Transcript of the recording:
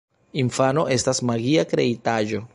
Infano estas magia kreitaĵo.